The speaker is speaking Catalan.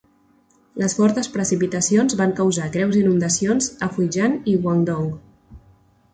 Les fortes precipitacions van causar greus inundacions a Fujian i Guangdong.